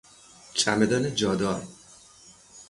چمدان جادار